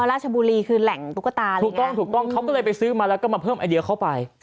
ราชบุรีคือแหล่งตุ๊กตาเลยถูกต้องถูกต้องเขาก็เลยไปซื้อมาแล้วก็มาเพิ่มไอเดียเข้าไป